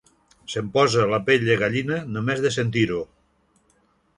Se'm posa la pell de gallina només de sentir-ho.